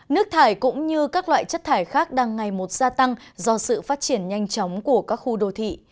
nước thải cũng như các loại chất thải khác đang ngày một gia tăng do sự phát triển nhanh chóng của các khu đô thị